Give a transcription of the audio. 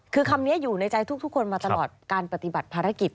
คือคำนี้อยู่ในใจทุกคนมาตลอดการปฏิบัติภารกิจ